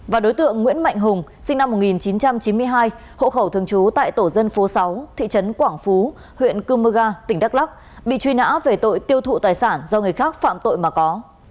và đối tượng nguyễn mạnh hùng sinh năm một nghìn chín trăm chín mươi hai hộ khẩu thường trú tại tổ dân phố sáu thị trấn quảng phú huyện cư mơ ga tỉnh đắk lắc bị truy nã về tội tiêu thụ tài sản do người khác phạm tội mà có